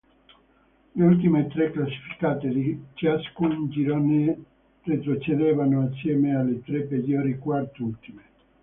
Le ultime tre classificate di ciascun girone retrocedevano assieme alle tre peggiori quart'ultime.